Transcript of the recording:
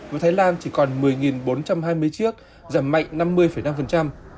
và thái lan chỉ còn một mươi bốn trăm hai mươi chiếc giảm mạnh năm mươi năm